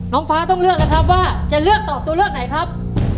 น้องฟ้าต้องเลือกแล้วครับว่าจะเลือกตอบตัวเลือกไหนครับ